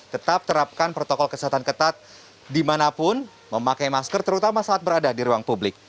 tetap terapkan protokol kesehatan ketat dimanapun memakai masker terutama saat berada di ruang publik